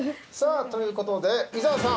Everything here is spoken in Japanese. さあ、ということで伊沢さん